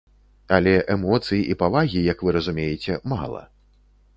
Але эмоцый і павагі, як вы разумееце, мала.